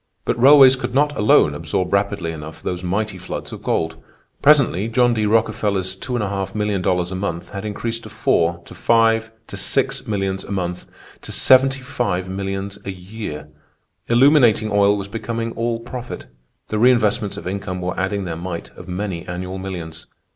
"But railways could not alone absorb rapidly enough those mighty floods of gold. Presently John D. Rockefeller's $2,500,000 a month had increased to four, to five, to six millions a month, to $75,000,000 a year. Illuminating oil was becoming all profit. The reinvestments of income were adding their mite of many annual millions.